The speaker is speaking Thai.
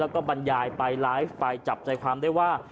แล้วก็บรรยายไปไลฟ์ไปจับใจความได้ว่า